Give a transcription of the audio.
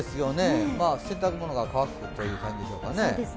洗濯物が乾く感じでしょうかね。